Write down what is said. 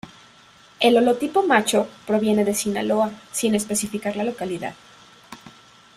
El holotipo macho proviene de Sinaloa, sin especificar la localidad.